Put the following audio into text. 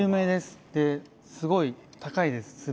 「ですごい高いです